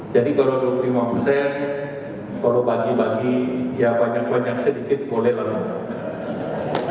jadi kalau dua puluh lima persen kalau bagi bagi ya banyak banyak sedikit boleh lalu